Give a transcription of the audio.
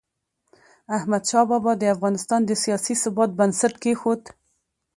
احمدشاه بابا د افغانستان د سیاسي ثبات بنسټ کېښود.